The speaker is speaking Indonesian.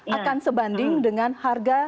akan sebanding dengan harga